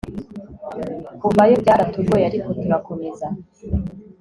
kuvayo byaratugoye ariko turakomeza